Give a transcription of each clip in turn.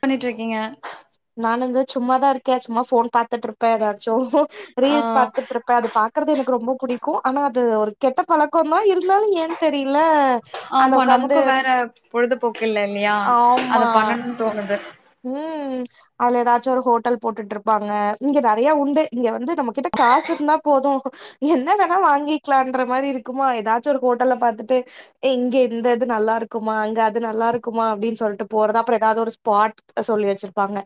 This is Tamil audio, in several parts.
பண்ணிட் இருக்கீங்க நான் வந்து சும்மாதா இருக்கே சும்மா ஃபோன் பாத்துட்டு இருப்பே எதாச்சு ஆ ரீல்ஸ் பாத்துட்டு இருப் இப்ப அது பாக்குறது எனக்கு ரொம்ப பிடிக்கு ஆனா அது ஒரு கெட்ட பழக்கம் தா இருந்தாலு ஏ தெரில அத ஆமா உக்காந்து நமக்கு வேற பொழுதுபோக்கு இல்ல இல்லியா ஆமா அத பண்ணணுனு தோணுது ம் அதுல எதாச்சு ஒரு ஹோட்டல் போட்டுட்டு இருப்பாங்க இங்க நெறைய உண்டு இங்க வந்து நம்ம கிட்ட காசு இருந்தா போது என்ன வேணா வாங்கிக்கலான்ற மாரி இருக்குமா எதாச்சு ஒரு ஹோட்டல பாத்துட்டு எங்க இந்த இது நல்லாருக்குமா இங்க அது நல்லா இருக்குமா அப்டின் சொல்ட்டு போறதுதா அப்றோ எதாது ஒரு ஸ்பாட் சொல்லி வச்சிர்ப்பாங்க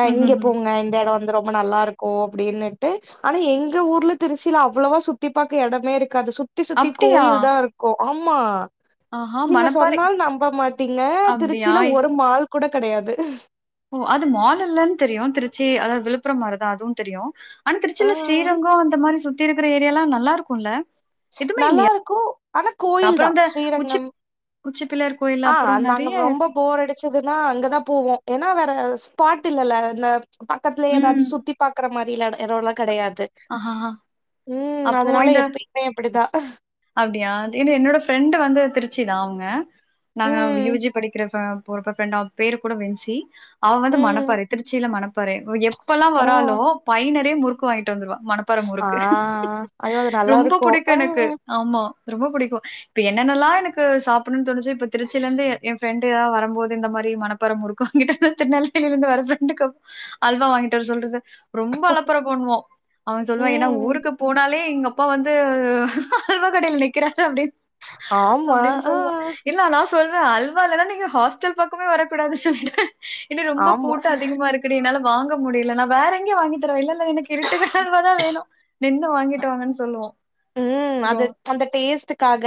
அ இங்க ம்ஹ்ஹும் போங்க இந்த எடோ வந்து ரொம்ப நல்லாருக் க்கு அப்டின்னுட்டு ஆனா எங்க ஊர்ல திருச்சியில அவ்ளவா சுத்தி பாக்க எடமே இருக்காது சுத் தி சுத்தி அப்டியா கோயில் தா இருக்கு ஆம்மா ஆஹா நீங்க மணப்பாறை சொன்னாலு நம்ப மாட்டீங்க அப்டியா திருச்சியில ஒரு மால் கூட கெடையாது ஓ அது மால் இல்லன் தெரியு திருச்சி அதா விழுப்புர மாரிதா அதுவு தெரியு ஆனா திருச்சில ஆ ஸ்ரீரங்கோ அந்த மாரி சுத்தி இருக்கிற ஏரியாலா நல்லா இருக்குல நல்லா இருக்கு ஆனா கோயில் தா ஸ்ரீரங்கம் உச்சிப்பிள்ளையார் கோயில் ஆ அப்றோ நாங்க நெறைய ரொம்ப போர் அடிச்சதுன்னா அங்கதா போவோ ஏனா வேற ஸ்பாட் இல்லல இந்த பக்கத்லே ம் ஏதாச்சு சுத் சுத்தி பாக்றமாரிலா எடோலா கெடயாது ஆஹா ம் அப்போ அதனால இந்த எப்பயுமே அப்டிதா அப்டியா ஏன என்னோட ஃப்ரெண்டு வந்து திருச்சிதா அவங்க நாங்க ம் யூஜி படிக்கிறப்ப போ ஃப்ரெண்ட் அவ பேரு குட வென்சி அவ வந்து ம் மனப்பாறை திருச்சில மனப்பாறை எப்பெல்லா ஓ வராலோ பைனெரைய முறுக்கு வாங்கிட்டு வந்துருவா மனப் பாற ஆ முருக்கு ஐயோ அது நல்லா ரொம்ப இருக்கு புடிக்கு ஆ எனுக்கு ஆமா ரொம்ப புடிக்கு இப்ப என்னென்னலா எனுக்கு சாப்புனுன் தோணுச்சோ இப்ப திருச்சி இருந்து ஏ ஃப்ரெண்டுலா வரம்போது இந்த மாரி மனப் பாற முறுக்கு வாங்கிட்டு திருநெல்வேலில இருந்து வர ஃப்ரெண்டுக்கு அல்வா வாங்கிட்டு வர சொல்றது ரொம்ப அளப்பற பண்வோ அவ சொல்வா ஏனா ம் ஊருக்கு போனாலே எங்க அப்பா வந்து அல்வா கடையில நிக்கிறாரு அப்டின் ஆமா அப்டின் ஆ சொல்வா இல்ல நா சொல்வே அல்வா இல்லனா நீங்க ஹாஸ்ட்டல் பக்கமே வரக் கூடாது சொல்லிடுவே இது ரொம்ப ஆமா கூட்டோ அதிகமா இருக்குடி என்னால வாங்க முடில நா வேற எங்கியா வாங்கி தரவா இல்லல்ல எனுக்கு இரு ட்டுக் கட அல்வாதா வேணு நின்னு வாங்கிட்டு வாங்கன் சொல்வோ ம் அது அந்த டேஸ்டுக்காக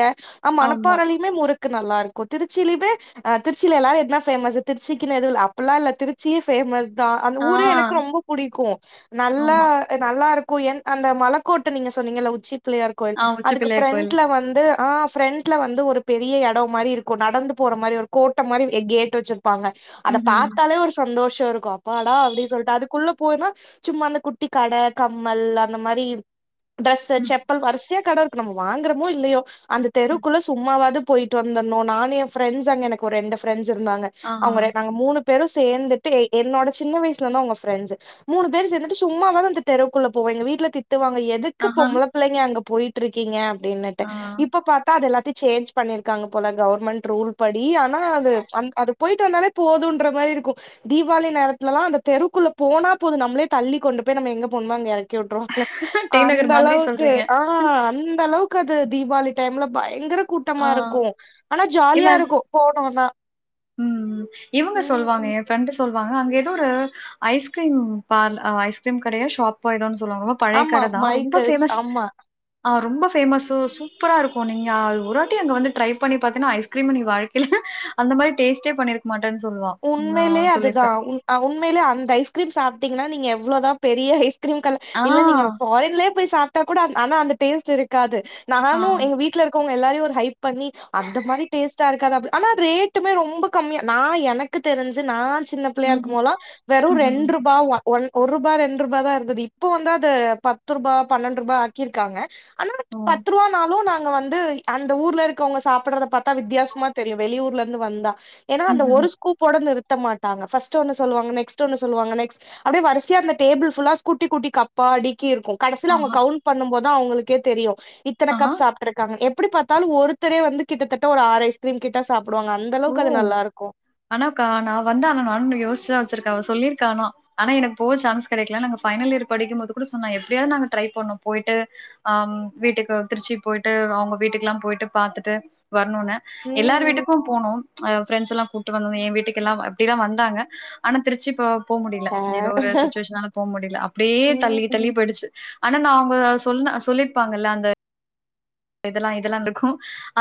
ஆ ஆமா. மணப்பாறைலியு மே முறுக்கு நல்லாருக்கு திருச்சிலிமே அ திருச்சில எல்லா என்னா ஃபேமஸு திருச்சிக்கினு எதுவு இல்ல அப்பில்லா இல்ல திருச் சியே பேமஸ் தா அந்த ஆ ஊரே எனக்கு ரொம்ப புடிக்கு நல்லா ஆமா. நல்லா இருக்கு என் அந்த மலக்கோட்ட நீங்க சொன்னீங்கல்ல உச்சி பிள்ளயார் கோயில் ஆ உச்சி அதுக்கு பிள்ளையார் கோயில்ல. ஃப்ரண்ட்ல வந்து ஆ ஃப்ரெண்ட் ட்ல வந்து ஒரு பெரிய எடோ மாரி இருக்கு நடந்து போற மாரி ஒரு கோட்ட மாரி எ கேட் வெச்சிர் ப்பாங்க அத ம்ஹ்ம். பாத்தாலே ஒரு சந்தோஷோ இருக்கு அப்பாடா அப்டின் சொல்ட்டு அதுக்குள்ள போனா சும்மா அந்த குட்டி கட கம்மல் அந்த மாரி இர் ட்ரெஸு ம், செப்பல் வர்சயா கட இருக்கு நம்ப வாங்றமோ இல்லையோ அந்த ம். தெருக்குள்ள சும்மாவாது பொயிட்டு வந்தர்னு நானு ஏ ஃப்ரெண்ட்ஸ் அங்க எனுக்கு ஒரு ரெண்டு ஃப்ரெண்ட்ஸ் இருந்தாங்க ஆஹா. அவுங்க ரெ நாங்க மூணு பேரு சேந்துட்டு எ என்னோட சின்ன வயசுல இருந்து அவுங்க ஃப்ரெண்ட்ஸு மூணு பேரு சேந்துட்டு சும்மாவாது அந்த தெருவுக்குள்ள போவோ எங்க வீட்ல திட்டுவாங்க எதுக் கு ஆஹா. பொம்ள பள்ளைங்க அங்க பொயிட்ருக்கீங்க அப்டினிட்டு ஆ. இப்ப பாத் தா அது எல்லாத்தியு சேஞ்ச் பண்ணிர்க்காங்க போல கவுர்மெண்ட் ரூல் படி ஆனா அது அந் அது பொயிட்டு வந்தாலே போதுன்ற மாரி இருக்கு தீபாவளி நேரத்துலலா அந்த தெருக்குள்ள போனா போது நம்ளே தள்ளி கொண்டு போய் நம்ம எங்க போணுமோ அங்க எறக்கி உட்ரு ல டி நகர் அந்த மாதிரி அளவுக்கு சொல்றீங்க. ஆ அந்த அளவுக்கு அது தீபாவளி டைம்ல பயங்கர ஆ. கூட்டமா இருக்கு ஆனா இல்ல ஜாலியா இருக்கு போனோனா ம் ம் இவுங்க சொல்லுவாங்க ம் ஃப்ரெண்டு சொல்வாங்க அங்க எதோ ஒரு ஐஸ்கிரீம் பார்ல் ஐஸ்கிரீம் கடையோ ஷாப்போ எதோ ஒன் சொல்வாங்ளா பழைய ஆமா கட தா ரொம்ப மைக்கேல்ஸ் ஃபேமஸ் ஆமா ஆ ரொம்போ ஃபேமசோ சூப்பரா இருக்கு நீங்க அது ஒராட்டி அங்க வந்து ட்ரை பண்ணி பாத்தீன்னா ஐஸ்கிரீம்ம நீ வாழ் கில அந்த மாரி டேஸ்ட்டே பண்ணிருக் மாட்டேன் சொல்லுவோ ஆ உண்மையிலயே சொல்லியிர்க்கே அதுதான் உண் அ உண்மையிலே அந்த ஐஸ்கிரீம் சாப்ட்டீங்கனா நீங்க எவ்ளோதா பெரிய ஐஸ்கிரீம் கட்ல ஆ இல்ல நீங்க ஃபாரின்லேயே போய் சாப்டா கூட அது ஆனா அந்த டேஸ்ட்டுஇருக்காது ஆ நானு எங்க வீட்ல இருக் கவ்ங்க எல்லாரியு ஒரு ஹைப் பண்ணி அந்த மாரி டேஸ்ட்டா இருக்காதா அப் ஆனா ரேட்டுமே ரொம்போ கம்மியா நா எனக் கு தெருஞ்சு நா சின்ன பிள்ளையா ம்ஹ்ம். இருக்குமோல்லா வெரு ம்ஹ்ம். ரெண்ரூபா ஒ ஒன் ஒரூபா ரெண்ரூபா தா இருந்துது இப்போ வந்து அத பத்ரூபா பன்னெண்ரூபா ஆக்கிர்க்காங்க ஆனா ஓ! பத்துரூவானாளு நாங்க வந்து அந்த ஊர்ல இருக்கவுங்க சாப்புட்றத பாத்தா வித்தியாஸ்மா தெரியு வெளியூர்லந்து வந்தா ஏனா அந்த ஒரு ம்ஹ்ஹ்ம். கூப் போட நிருத்த மாட்டாங்க ஃபஸ்ட்டு ஒன்னு சொல்லுவாங்க நெக்ஸ்ட்டு ஒன்னு சொல்லுவாங்க நெக்ஸ் அப்டியே வரிஸ்யா அந்த டேபுள் ஃபுல்லா ஸ்கூட்டி குட்டி கப்பா அடி கி இருக்கு கடைசில அவங்க ஆஹா, அவுங்க கவுண்ட் பண்ணும் போத்தா அவுங்ளுக்கே தெரியு இத்தன ஆஹா. கப் சா ப்ருக்காங்க எப்டி பாத்தாலு ஒருத்தரே வந்து கிட்டத்தட்ட ஒரு ஆறு ஐஸ் கிரீம் கிட்ட சாப்புடுவாங்க அந் த அளவுக்கு அது நல்லா இருக்கு ஆனா க்கா நா வந்தா ஆனா நானு யோஸ்ச்தா வெச்சிருக்கே அவ சொல்லிருக்கா ஆனா ஆனா எனக் ப சான்ஸ் கெடைக்கல நாங்க ஃபைனல் இயர் படிக்கும்போது கூட சொன்னா எப்டியாவது நா ட்ரை பண்ணு போயிட்டு அம் வீட்டுக்கு திருச்சி போய்ட்டு அவங்க வீட்டுக்குல்லா போயிட்டு பாத்துட்டு வரணுன்னு எல்லார் ம் வீட்டுக்கு போனோம் அ ஃப்ரெண்ட்ஸ்ல்லா கூப்ட்டு வந்து எ வீட்டுக்கல்லா அப்டிலா வந்தாங்க ஆனா திருச்சி போ போ முடில சே ஏதோ ஒரு சுச்சுவேஷனால போ முடில அப்டியே தள்ளி தள்ளி ம் போயிடுச்சு ஆனா நா அவங்க சொன்ன சொல்லிர்ப்பாங்கல்ல அந்த இதெல்லா இதெல்லா இருக்கு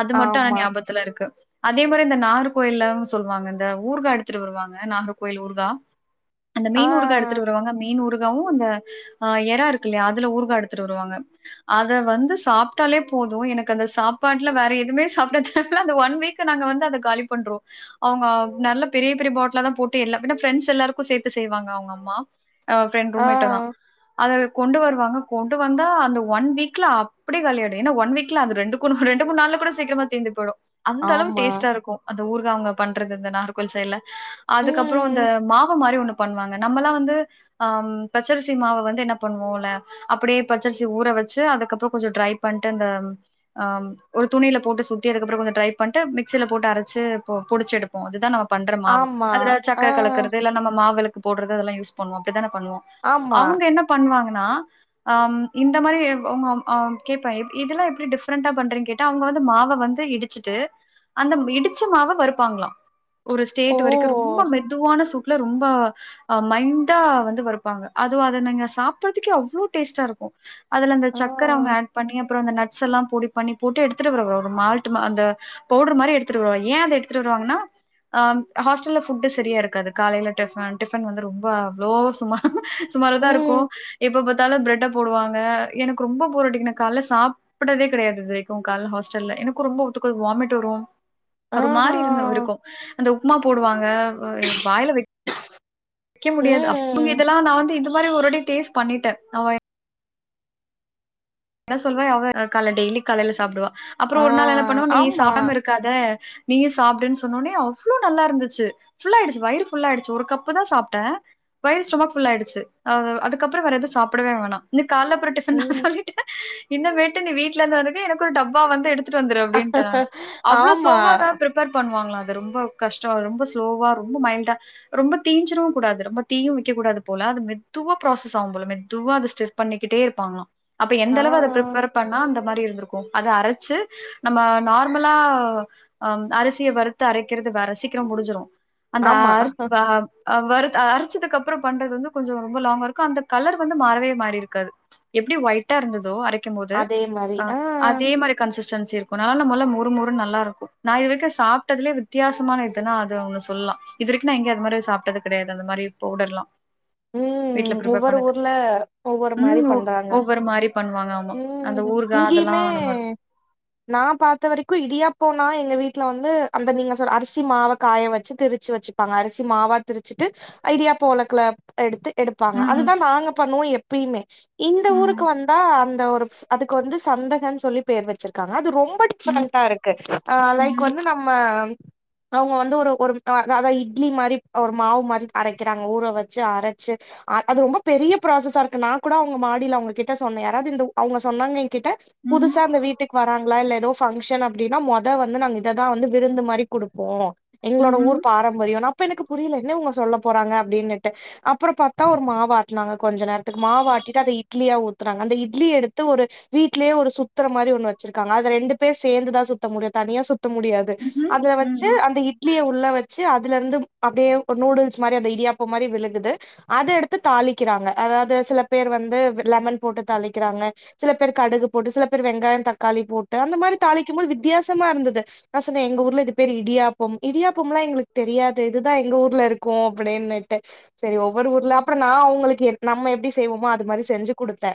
அது மட்டு ஆனா ஆமா ஞாபத்துல இருக்கு அதே மாரி இந்த நாகர் கோயில்ல சொல்லுவாங்க இந்த ஊர்கா எடுத்துட்டு வருவாங்க நாகர்கோயில் ஊர்கா அந்த ஆ மீன் ஊருகா எடுத்துட்டு வருவாங்க மீன் ஊரு காவு அந்த எறா இருக்குல்லையா அதுல ஊருகா எடுத்துட்டு வருவாங்க அத வந்து சாப்ட்டாலே போது எனக்கு அந்த சாப்பாட்ல வேற எதுமே சாப்டதுல்ல அந்த ஒன் வீக்கு நாங்க வந்து அத காலி பண்றோ அவுங்க நல்லா பெரிய பெரிய பாட்லா தா போட்டு எல்லா பின்ன ஃப்ரெண்ட்ஸ் எல்லாருக்கு சேத்து செய்வாங்க அவங்க அம்மா அ ஃப்ரெண்ட் ஆ ரூம் மெட்டு தா அது கொண்டு வருவாங்க கொண்டு வந்தா அந்த ஒன் வீக்ல அப்டியே காலியாயிடு ஏன்னா ஒன் வீக்ல அந்த ரெண்டு கு ரெண்டு மூன் நாள்ல கூட சீக்கிரமா தீந்து போயிடு அந்த அளவு ஆமா டேஸ்டா இருக்கு அந்த ஊருகா அவங்க பண்றது இந்த நாகர்கோவில் சைட்ல அதுக்கப்புறோ அந்த ம் மாவு மாரி ஒண்ணு பண்ணுவாங்க நம்மல்லா வந்து ஆம் பச்சரிசி மாவ வந்து என்ன பண்ணுவோல்ல அப்படியே பச்சரிசி ஊற வச்சு அதுக்கப்புறோ கொஞ்ச டிரை பண்ட்டு இந்த ஆம் ஒரு துணில போட்டு சுத்தி அதுக்கப்புற கொஞ்ச டிரை பண்ட்டு மிக்சியில போட்டு அரச்சு பு புடிச்சு எடுப் கு அதுதா நம்ம பண்ற மாவு ஆமா அதுல சக்கர ஆ கலக்குறது இல்ல நம்ம மாவிளக்கு போற்றது அது எல்லா யூஸ் பண்ணுவோ அப்டிதானே பண்ணுவோ ஆமா அவுங்க என்ன பண்ணுவாங்கன்னா அம் இந்த மாரி அவங் அம் கேப்ப இதெல்லா எப்டி டிஃப்ரெண்டா பண்றீங் கேட்டா அவங்க வந்து மாவ வந்து இடிச்சுட்டு அந்த இடிச்ச மாவ வருப்பாங்களா ஒரு ஓ ஸ்டேட்டு வரைக்கு ரொம்ப மெதுவான சூட் ல ரொம்ப அ மைண்டா வந்து வருப்பாங்க அது அத நீங்க சாப்பறதுக்கே அவ்ளோ டேஸ்ட்டா இருக்கு அதுல அந்த ஆ சக்கர அவங்க ஆட் பண்ணி அப்புற அந்த நட்ஸ்ல்ல பொடி பண்ணி போட்டு எடுத்துட்டு வருவா ஒரு மால்டடு மா அந்த பவுட்ரு மாரி எத்துட்டு வருவா ஏ அத எடுத்துட்டு வருாங்கன்னா ஆம் ஹாஸ்டல்ல ஃபுட்டு் சரியா இருக்காது காலைல டிஃபன் டிஃபன் வந்து ரொம்ப அவ்ளோ சுமா சுமாரதா இருக்கு ம் எப்ப பாத்தாலு ப்ரட்ட போடுவாங்க எனக்கு ரொம்ப போர் அடிக்குனக் கால்ல சாப்புட்டதே கடையாது இது வரிக்கு கால்ல ஹாஸ்டல்ல எனக்கு ரொம்ப ஒத்துக்காது வாமிட் வரு அரு மாரி ஆஹா இருந்து இருக்கு அந்த உப்மா போடுவாங்க வ யெ வாயில வெக்க முடியாது அப் இவுங்க ம் இதெல்லா நான் வந்து இந்த மாரி ஒரு வாட்டி டேஸ்ட் பண்ணிட்ட அவ என்ன சொல்வாய் அவ கால்ல டெய்லி காலைல சாப்டுவா அப்புறோ ஆ ஒரு நாள் என்ன பண்ணுவ நீ ஏ ஆமா சாப்டாம இருக் க்காதா நீயு சாப்டுன் சொன்னோனே அவ்ளோ நல்லாருந்துச்சு ஃபுல் ஆயிடுச்சு வயிறு ஃபுல் ஆயிடுச்சி ஒரு கப்புதா சாப்ட்ட வயிறு ஸ்ரொமக் ஃபுல் ஆயிடுச்சி அ அதுக்கப்ற வேற எது சாப்புடவே வேணா இந்த கால்ல அப்புற டிஃபன் நா ம் சொல்லிட்ட இன்னமேட்டு நீ வீட்லருந்து வந்துக்க எனக்கு ஒரு டப்பா வந்து எடுத் துட்டு வந்துரு அப்டின்ட நானு அவ்ளோ ஆமா ஸ்லோவா தா பிரிப் ப்பேர் பண்ணுவாங்ளா அத அது ரொம்ப கஷ்ட்டோ ரொம்ப ஸ்லோவா ரொம்ப மைல்டா ரொம்ப தீஞ்சிரவு கூடாது ரொம்ப தீய வக்க கூடாது போல அது மெதுவா ப்ராசஸ் ஆவு போல மெதுவ அது ஸ்டெ பண்ணிக்கிட்டே இருப்பாங்ளா அப்ப எந்த ஆ அளவு அத பிரிப்பர் பண்ணா அந்த மாரி இருந்துருக்கு அத அரச்சு நம்ம நார்மலா அ அரிசிய வறுத்து அரக்கிறது வேற சீக்கிர முடிஞ்சிரு அந்த ஆமா ஆரு வக அ வருத் அரச்சதுக்கு அப்புற பண்றது வந்து கொஞ்சோ ரொம்ப லாங்கா இருக்கு அந்த கலர் வந்து மாறவே மாறிருக்காது எப்டி ஒய்ட்டா இருந்ததோ அரக்கும்போது அதே மாரி அ ஆ அத் தே மாரி கன்சிஸ்டன்சி இருக்கு நல்லான மொல்ல மொறு மொறுன் நல்லாருக்கு நா இது வரக்கு சாப்ட்டதுலே அது தியாசமான இதுன்னா அது ஒன்னு சொல்லா இது வரிக்கு நா இங்க அது மாரி எது சாப்ட்டது கடயாது அந்த மாரி பவுடர்லா வீட்ல ம் பிரப்பர் ஒவ்வொரு பண்ணுது ஊர்ல ஒவ்வொரு மாரி ம் ஒ பண்றாங்க ஒரு மாரி பண்வாங்க ஆமா அந்த ம் ஊறுகா அதலா இங்கேயுமே நம்ம நா வரிக்கு இடியாப்போ நா எங்க வீட்ல வந்து அந்த நீங்க சொல்ற அரிசி மாவ காய வச்சு திருச்சு வச்சிக் பாங்க அரிசி மாவா திருச்சுட்டு அ இடியாப்ப ஒலக்குல எடுத்து எடுப்பாங்க ம் அதுதா நாங்க பண்ணுவோ எப்பியிமே இந்த ம் ஊருக்கு வந்தா அந்த ஒரு அதுக்கு வந்து சந்தகன் சொல்லி பேர் வச்சிருக்காங்க அது ரொம் ம்ப ம் டிப்பண்டா இருக்கு அ லைக் ம்ஹ்ம் வந்து நம்ம அவ்ங்க வந்து ஒரு ஒரு அதா அதா இட்லி மாரி ஒரு மாவு மாரி அரக்கிறாங்க ஊற வச்சு அர சு அ அது ரொம்ப பெரிய ப்ராசஸா இருக்கு நா கூட அவுங்க மாடில அவுங்ககிட் ட சொன்ன யாராது இந்தவ் அவ்ங்க சொன்னாங்க எங்கிட்ட ம்ஹ்ம் புதுசா இந்த வீட் டுக் வராங்ளா இல்ல எதோ ஃபங்ஷன் அப்டினா மொத வந்து நாங்க இததா வந்து விருந்து மார் வி குடுப்போ எங்ளோட ஊர் ம்ஹ்ம் பாரம்பரியோ அப்ப எனக்கு புரிய்ல என்ன இவ்ங்க சொல்ல போறாங்க அப்டின்னுட்டு அப்புறம் பாத்தா ஒரு மாவ் ஆட்னாங் கொஞ்ச நேர்த்துக்கு மாவ் ஆட்டிட்டு அத இட்லியா ஊத்துறாங்க அந்த இட்லி எடுத்து ஒரு வீட்லே ஒரு சுத்துற மாரி ஒன்னு வச்சிருக்காங்க அத ரெண்டு பேர் சேந்துதா சுத்த முடியு தனியா சுத்த முடியாது அதுல ம்ஹ்ம் வச்சு அந்த இட் ட்லிய உள்ள வச்சு அதுலருந்து அப்டியே ஒரு நூடுல்ஸ் மாரி அந்த இடியாப்ப மாரி விழுகுது அத எடுத்து தாளிக்கிறாங்க அதாவ்து சில பேர் வந்து லமன் போட்டு தாளிக்கிறாங்க சில பேர் கடுகு போட்டு சில பேர் வெங்காய தக்காளி போட்டு அந்த மாரி தாளிக்குபோது வித்யாசமா இருந்துது நா சொன்ன எங்க ஊர்ல இது பேர் இடியாப் பொம் இடியாப்பொம்லா எங்ளுக் தெரியாது இதுதா எங்க ஊர்ல இருக்கு அப்புடின்னுட்டு செரி ஒவ்வொரு ஊர்ல அப்புற நா அவுங்களுக்கு எ நம்ம எப்டி செய்வோமோ அது மாரி செஞ்சு குடுத்த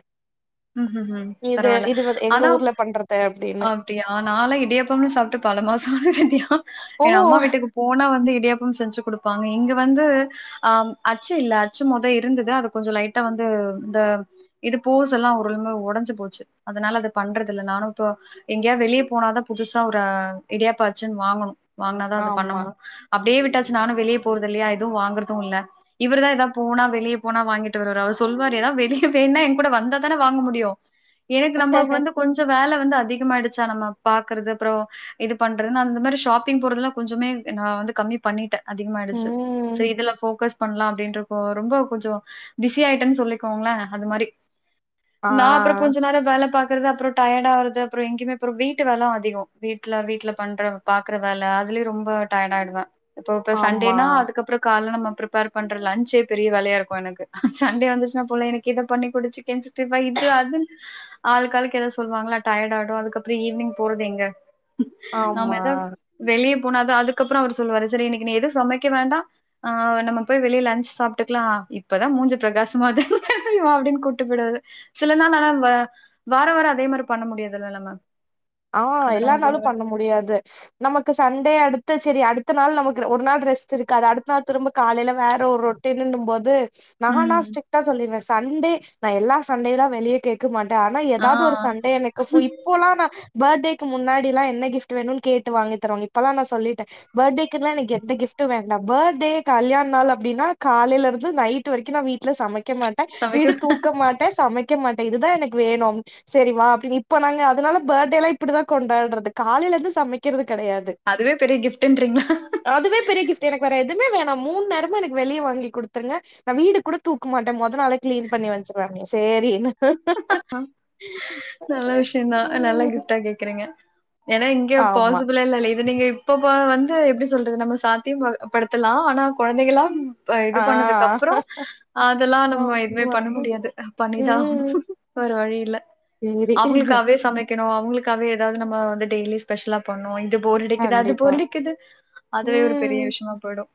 ம்ஹ்ம் ம்ஹ்ஹும் இது பரவால்ல இது வந் எங்க ஊர்ல பண்றது அப்டின்னு டியா நாலா இடியப்பம்னு சாப்ட்டு பல மாச ஆகுதுயா ஓ ஏனா அம்மா வீட்டுக் போனா வந்து இடியாப்பம் செஞ்சு கொடுப்பாங்க இங்க வந்து ஆ அச்சு இல்ல அச்சு மொத இருந்தது அது கொஞ்சம் லைட்டா வந்து இந்த இது போ இதெல்லாம் உளுமை உடைஞ்சு போச்சு அதனால அது பண்றதில்ல நானும் இப்ப எங்கேயா வெளியே போனாதான் புதுசா ஒரு இடியாப்ப அச்சுன்னு வாங்கணும் வாங்கினாதான் அது ஆமா பண்ணமுடியும் அப்படியே விட்டாச்சு நானும் வெளியே போறது இல்லையா எதுவும் வாங்கறதும் இல்ல இவர் தான் ஏதாவது போனா வெளியே போனா வாங்கிட்டு வருவாரு அவர் சொல்வார் ஏதாவது வெளிய வேணும்னா என் கூட வந்தா வாங்க முடியும் எனக்கு நம்ம வந்து கொஞ்சம் வேலை வந்து அதிகமயிடுச்சா நம்ம பாக்குறது அப்புறம் இது பண்றதுன்ன அந்த மாதிரி ஷாப்பிங் போறதெல்லாம் கொஞ்சமே நான் வந்து கம்மி பண்ணிட்டேன் அதிகமாயிடுச்சு சோ ம் இதுல ஃபோக்கஸ் பண்ணலாம் அப்படின்ற ரொம்ப கொஞ்சம் பிஸி ஆயிட்டேன்னு சொல்லிக்கோங்களேன் அது மாதிரி ஆ நான் அப்புறம் கொஞ்ச நேரம் வேலை பாக்குறது அப்புறம் டர்யட ஆகுது அப்புறம் எங்கேயுமே அப்புறம் வீட்டு வேலை அதிகம் வீட்டுல வீட்டுல பண்ற பாக்குற வேலை அதுலயே ரொம்ப டயர்டாயிடுவே இப்ப இப்ப ஆமா சண்டேனா அதுக்கப்புறம் காலை பண்ற லஞ்சே பெரிய வேலையா இருக்கும் எனக்கு சண்டே வந்துச்சுனா புள்ளைகளுக்கு எனக்கு இதை பண்ணி குடுத்து இப்ப இது அது ஆளாளுக்கு ஏதாவது சொல்லுவாங்களா டயர்ட் ஆயிடும் அதுக்கப்புறம் ஈவினிங் போறது எங்க நாம ஆமா எதோ வெளியே போனா தா அதுக்கப்புறம் அவர் சொல்லுவாரு சரி இன்னைக்கு நீ எதுவும் சமைக்க வேண்டாம் ஆ நம்ம போய் வெளியே லஞ்ச் சாப்பிட்டுக்கலாம் இப்பதான் மூஞ்சு பிரகாசமாகுது அப்படின்னு கூப்பிட்டு போயிருவாரு சில நாள் ஆனா வாரம் வாரம் அதே மாதிரி பண்ண முடியாது இல்ல நாமம் ஆஹ் எல்லா நாளும் பண்ண முடியாது நமக்கு சண்டே அடுத்த சரி அடுத்த நாள் நமக்கு ஒரு நாள் ரெஸ்ட் இருக்காது அடுத்த நாள் திரும்ப காலையில வேற ஒரு ட்டினு போது நானா ம் ஸ்ட்ரிக்டா சொல்லிருவே சண்டே நான் எல்லா சண்டேயிலேயும் வெளியே கேக் கேக்க மாட்டே ஆனா ஆ எதாவது ஒரு சண்டே எனக்கு இப்போலா நா பர்த் டேக்கு முன்னாடி எல்லா என்ன கிப்ட் வேணுனு கேட்டு வாங்கி தருவாங்க இப்பெல்லா நா சொல்லிட்டே பர்த் டேக்கு எனக்கு எந்த கிஃப்டு வேண்டா பர்த் டே கல்யாண நாள் அப்டின்னா காலைல இருந்து நைட் வரைக்கு நா வீட் வுட்ல சமைக்க மாட்டே வீடு சமைக்க தூக்க மாட்ட சமைக்க இருக்க மாட்டே இதுதா எனக்கு வேணு சரி வா அப்டின்னு இப்ப நாங்க அதனால பேர்த் டே ல்லா இப்டிதா கொண்டாட்றது காலையில இருந்து சமைக்கிறது கெடையாது அதுவே பெரிய கிஃப்ட்ன்றீங்களா அதுவே பெரிய கிஃப்ட் எனக்கு வேற எதுவுமே வேணா மூணு நேரமு எனக்கு வெளிய வாங்கி குடுத்துருங்க நான் வீடு கூட தூக்கமாட்டே மொத நாளே க்ளீன் பண்ணி வச்சிருவே சேரின்னு நல்ல விஷயந்தா நல்ல ம் கிஃப்டா கேக்கறீங்க ஏன்னா இங்க ஆமா பாசிபிளெல்லா இல்ல இது நீங்க இப்ப வந்து எப்டி சொல்றது நம்ம சாத்தியம் படுத்தலா ஆனா கொழந்தைகெலா இது ஆ பண்ணதுக்கு அப்றோ அதெல்லா நம்ம எதுமே ஆமா பண்ண முடியாது பண்ணி தா ஆகணும் ம் வேற வழி இல்ல சேரி அவங்களுக்காவே சமைக்கணு அவங்களுக்காவே எதாவது நம்ம வந்து டெய்லி ஸ்பெஷலா பண்ணுவோ இது போர் அடிக்குது அது கண்டிப்பா போர் அடிக்குது அதுவே ஒரு பெரிய ம் விஷயமா போயிடு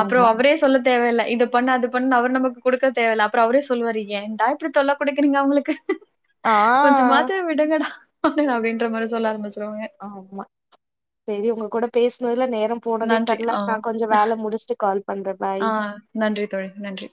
அப்றோ ஆமா அவரே ஸ் சொல்ல தேவையில்ல இது பண்ண அது பண்ணு அவர் நமக்கு குடுக்க தேவையில்ல அப்றோ அவரே சொல்வாரு ஏண்டா இப்டி தொல்லை குடுக்குறீங்க அவளுக்கு ஆ கொஞ்சமா த்து விடுங்கடா அப்டின்ற மாரி சொல்ல ஆரம்பிச்சிருவாங்க ஆமா சேரி உங்க கூட பேசனதுல நேரம் போனதே நன்றி தெர்ல ஆ நா கொஞ்ச வேல முடிச்சிட்டு கால் பண்றே பாய் ஆ நன்றி தோழி நன்றி